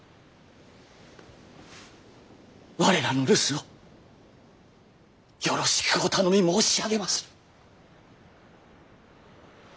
我らの留守をよろしくお頼み申し上げまする。